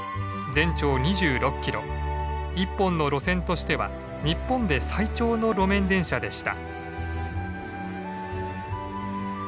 １本の路線としては日本で最長の路面電車でした。